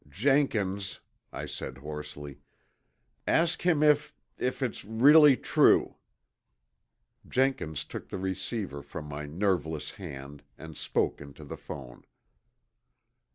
"Jenkins!" I said hoarsely. "Ask him if if it's really true!" Jenkins took the receiver from my nerveless hand and spoke into the phone.